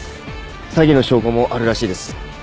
詐欺の証拠もあるらしいです。